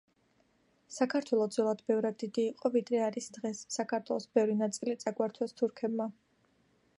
საქართველო ძველად ბევრად დიდი იყო, ვიდრე არის დღეს, საქართველოს ბევრი ნაწილი წაგვართვეს თურქებმა.